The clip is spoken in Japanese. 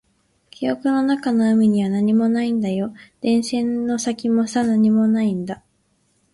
記憶の中の海には何もないんだよ。電線の先もさ、何もないんだ。